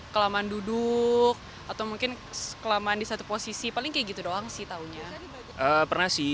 kelamaan duduk atau mungkin kelamaan di satu posisi paling kayak gitu doang sih taunya pernah sih